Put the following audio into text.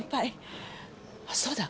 あっそうだ。